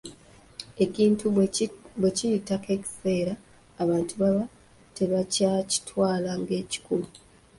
Ekintu bwe kiyitako ekiseera abantu baba tebakyakitwala ng’ekikulu.